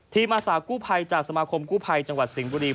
อาสากู้ภัยจากสมาคมกู้ภัยจังหวัดสิงห์บุรี